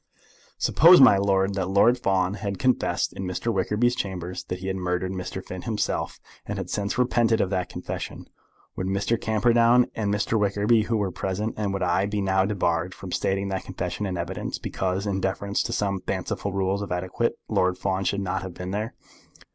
"Suppose, my lord, that Lord Fawn had confessed in Mr. Wickerby's chambers that he had murdered Mr. Bonteen himself, and had since repented of that confession, would Mr. Camperdown and Mr. Wickerby, who were present, and would I, be now debarred from stating that confession in evidence, because, in deference to some fanciful rules of etiquette, Lord Fawn should not have been there?"